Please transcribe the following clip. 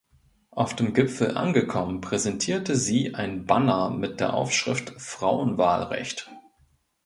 Auf dem Gipfel angekommen präsentierte sie ein Banner mit der Aufschrift "Frauenwahlrecht".